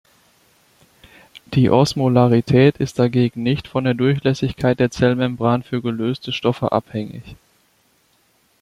Die Osmolarität ist dagegen nicht von der Durchlässigkeit der Zellmembran für gelöste Stoffe abhängig.